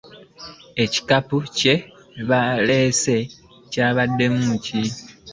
Ekikapu kye baaleese kyabaddemu ki?